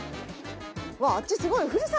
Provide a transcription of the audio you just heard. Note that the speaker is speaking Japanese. うわあっちすごい。